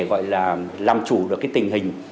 gọi là làm chủ được cái tình hình